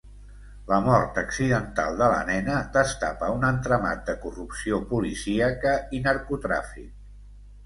La mort accidental de la nena destapa un entramat de corrupció policíaca i narcotràfic.